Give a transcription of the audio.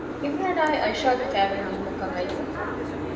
ޢީމްރާނާއި ޢައިޝާގެ ކައިވެނި ނިމުމަކަށް އައީތަ؟